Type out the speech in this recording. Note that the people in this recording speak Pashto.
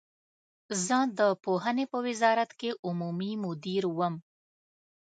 زه د پوهنې په وزارت کې عمومي مدیر وم.